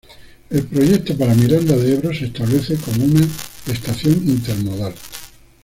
El proyecto para Miranda de Ebro se establece como una estación intermodal.